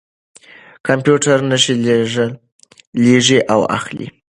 کمپیوټر نښې لېږي او اخلي.